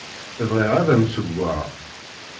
Bɣiɣ ad am-d-ssewweɣ.